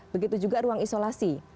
begitu juga ruang isolasi